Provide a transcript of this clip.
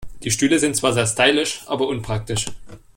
Die Stühle sind zwar sehr stylisch, aber unpraktisch.